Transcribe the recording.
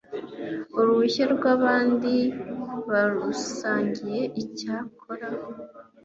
uruhushya rw abandi babusangiye icyakora